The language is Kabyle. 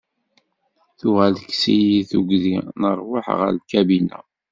Tuɣal tekkes-iyi tuggdi n rrwaḥ ɣer lkabina.